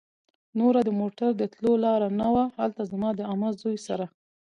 نور د موټر د تلو لار نه وه. هلته زما د عمه زوی سره